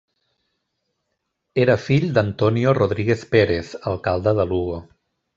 Era fill d'Antonio Rodríguez Pérez, alcalde de Lugo.